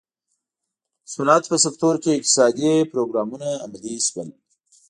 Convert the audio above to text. د صنعت په سکتور کې اقتصادي پروګرامونه عملي شول.